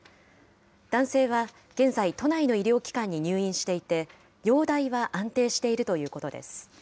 男性は現在、都内の医療機関に入院していて、容体は安定しているということです。